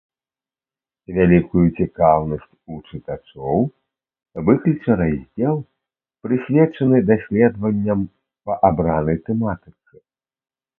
Вялікую цікаўнасць у чытачоў выкліча раздзел, прысвечаны даследаванням па абранай тэматыцы.